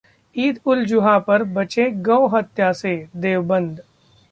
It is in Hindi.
ईद-उल-जुहा पर बचें गौ हत्या से: देवबंद